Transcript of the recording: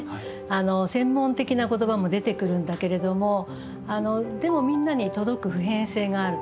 専門的な言葉も出てくるんだけれどもでもみんなに届く普遍性がある。